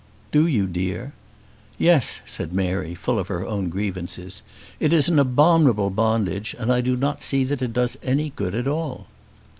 "Do you, dear?" "Yes," said Mary, full of her own grievances. "It is an abominable bondage, and I do not see that it does any good at all."